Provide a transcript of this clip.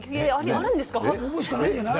あるんですか？